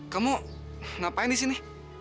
kamu ngapain disini